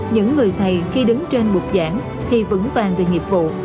những người thầy khi đứng trên bục giảng thì vững vàng về nghiệp vụ